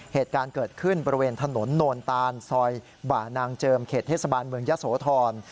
เหตุการณ์เกิดขึ้นบริเวณถนนโนนตานซอยบ่านางเจิมเขตเทศบาลเมืองยะโสธร